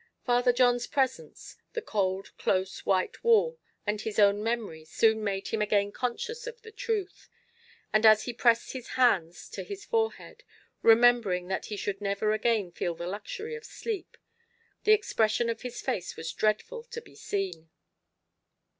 Father John's presence the cold close white wall and his own memory soon made him again conscious of the truth; and as he pressed his hands to his forehead, remembering that he should never again feel the luxury of sleep, the expression of his face was dreadful to be seen.